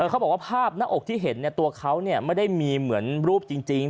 เขาบอกว่าภาพหน้าอกที่เห็นตัวเขาไม่ได้มีเหมือนรูปจริง